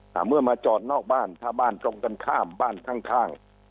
แต่เมื่อมาจอดนอกบ้านถ้าบ้านตรงกันข้ามบ้านข้างข้าง